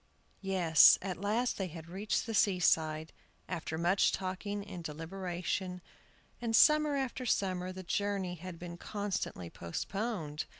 YES, at last they had reached the seaside, after much talking and deliberation, and summer after summer the journey had been constantly postponed.